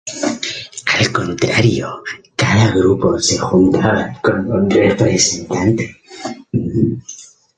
Al contrario, cada grupo se juntaba con un representante.